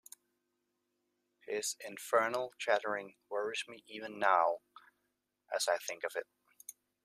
His infernal chattering worries me even now as I think of it.